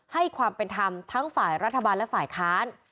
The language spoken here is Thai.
ให้ความเป็นธรรมทั้งฝ่ายรัฐบาลและฝ่ายค้าน